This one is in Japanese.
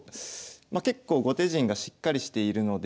ま結構後手陣がしっかりしているので。